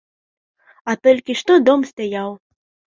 А толькі што дом стаяў.